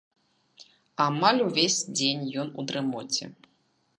Амаль увесь дзень ён у дрымоце.